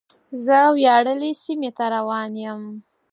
زه وياړلې سیمې ته روان یم.